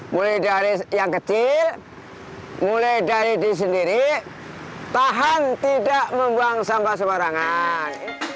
mulai dari yang kecil mulai dari diri sendiri tahan tidak membuang sampah sembarangan